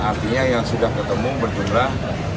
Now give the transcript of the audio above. artinya yang sudah ketemu berjumlah empat puluh enam